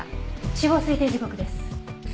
死亡推定時刻です。